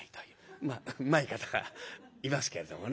まあうまい方がいますけれどもね。